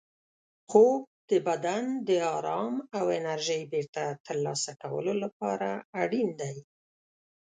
خوب د بدن د ارام او انرژۍ بېرته ترلاسه کولو لپاره اړین دی.